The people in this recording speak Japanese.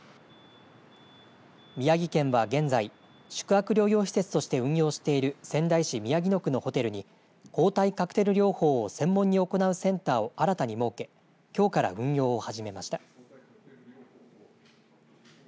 宮城県は現在宿泊療養施設として運営している仙台市宮城野区のホテルに抗体カクテル療法を専門に行うセンターを新たに設けきょうから運用を始めました。